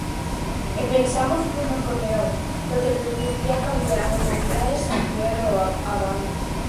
E pensamos nun acordeón, porque permitía cambiar tonalidades, ampliar o abano.